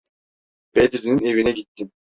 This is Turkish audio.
Bedri’nin evine gittim.